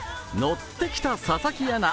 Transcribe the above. ッてきた佐々木アナ。